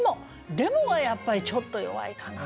「でも」がやっぱりちょっと弱いかな。